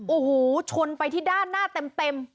โอ้โหชนไปที่ด้านหน้าเต็ม